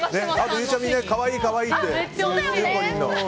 ゆうちゃみも可愛い可愛いって。